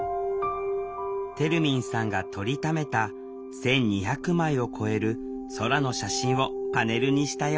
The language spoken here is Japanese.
てるみんさんが撮りためた１，２００枚を超える空の写真をパネルにしたよ